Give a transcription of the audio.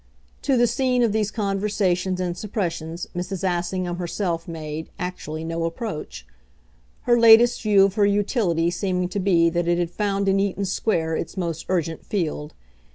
To the scene of these conversations and suppressions Mrs. Assingham herself made, actually, no approach; her latest view of her utility seeming to be that it had found in Eaton Square its most urgent field.